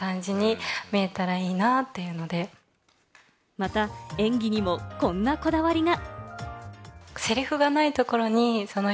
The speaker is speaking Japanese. また演技にもこんなこだわりが。